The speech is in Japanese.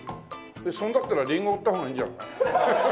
それだったらリンゴ売った方がいいんじゃない？ハハハハハ！